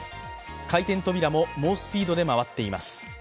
回転扉も猛スピードで回っています。